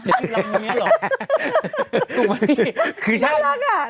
อยากให้เรารับเมืองนี้เหรอ